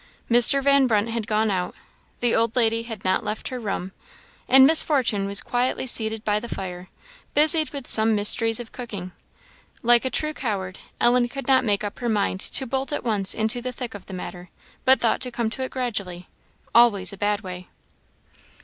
Mr. Van Brunt had gone out; the old lady had not left her room, and Miss Fortune was quietly seated by the fire, busied with some mysteries of cooking. Like a true coward, Ellen could not make up her mind to bolt at once into the thick of the matter, but thought to come to it gradually always a bad way.